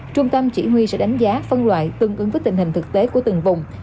trung tâm chỉ huy sẽ đánh giá phân loại tương ứng với tình hình thực tế của từng vùng